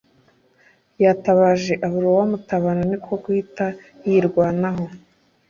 Yatabaje abura uwamutabara niko kuhita yirwanaho